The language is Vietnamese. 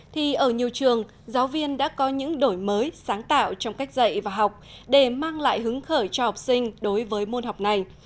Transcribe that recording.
thì ở nhiều trường giáo viên đã có những đổi mới sáng tạo trong cách dạy và học để mang lại hứng khởi cho học sinh đối với môn học này